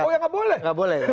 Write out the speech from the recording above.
oh ya nggak boleh